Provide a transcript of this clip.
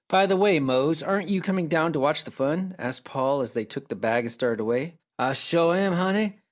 "By the way, Mose, aren't you coming down to watch the fun?" asked Paul, as they took the bag and started away. "Ah shore am, Honey!